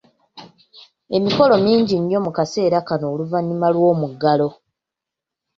Emikolo mingi nnyo mu kaseera kano oluvannyuma lw'omuggalo.